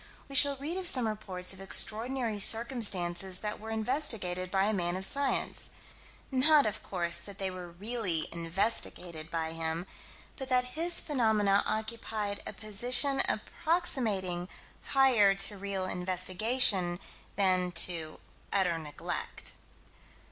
We shall read of some reports of extraordinary circumstances that were investigated by a man of science not of course that they were really investigated by him, but that his phenomena occupied a position approximating higher to real investigation than to utter neglect.